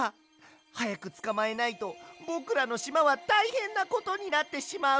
はやくつかまえないとぼくらのしまはたいへんなことになってしまう。